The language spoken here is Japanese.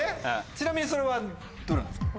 ちなみにそれはどれなんですか？